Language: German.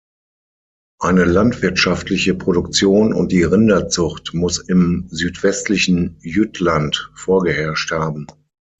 Eine landwirtschaftliche Produktion und die Rinderzucht muss im südwestlichen Jütland vorgeherrscht haben.